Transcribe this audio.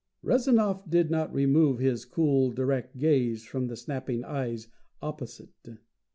Rezanov did not remove his cool direct gaze from the snapping eyes opposite.